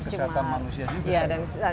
dan kesehatan manusia juga